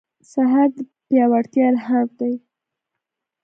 سهار د پیاوړتیا الهام دی.